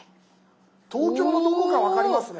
東京のどこか分かりますね。